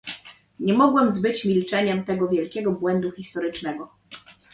"Nie mogłem zbyć milczeniem tego wielkiego błędu historycznego."